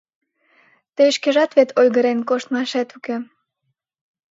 Тый шкежат вет ойгырен коштмашет уке...